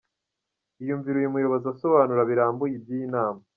Iyumvire uyu muyobozi asobanura birambuye iby’Iyi nama.